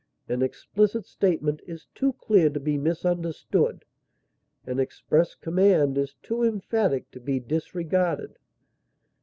An explicit statement is too clear to be misunderstood; an express command is too emphatic to be disregarded.